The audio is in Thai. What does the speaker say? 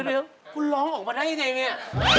เดี๋ยวคุณร้องออกมาได้ยังไงเนี่ย